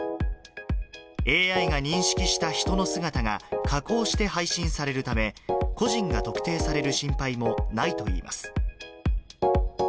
ＡＩが認識した人の姿が、加工して配信されるため、個人が特定される心配もないといいます。